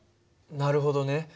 なるほどね。